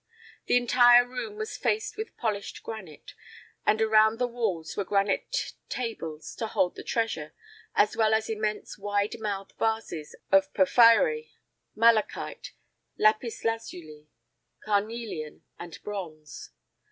The entire room was faced with polished granite, and around the walls were granite tables to hold the treasure, as well as immense wide mouthed vases of porphyry, malachite, lapis lazuli, carnelian and bronze.